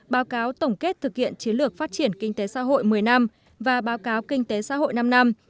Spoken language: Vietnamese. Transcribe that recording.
báo cáo tổng kết thực hiện chiến lược phát triển kinh tế xã hội một mươi năm và báo cáo kinh tế xã hội năm năm